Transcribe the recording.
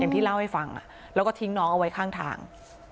ที่เล่าให้ฟังแล้วก็ทิ้งน้องเอาไว้ข้างทาง